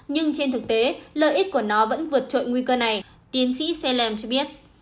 nhưng trên thực tế lợi ích của nó vẫn vượt trội nguy cơ này tiến sĩ saylem cho biết